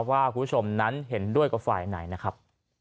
ว่าคุณผู้ชมนั้นเห็นด้วยกับฝ่ายไหนนะครับ